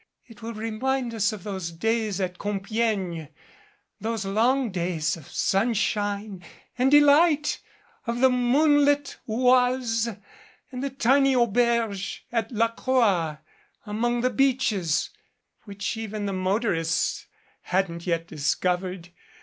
It will remind us of those days at Compiegne, those long days of sunshine and delight of the moonlit Oise, and the tiny auberge at La Croix among the beeches, which even the motorists hadn't yet discovered.